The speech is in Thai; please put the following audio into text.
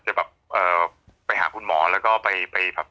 ขอบคุณครับ